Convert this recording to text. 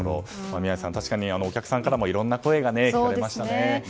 宮司さん、確かにお客さんからもいろいろな声が聞かれましたね。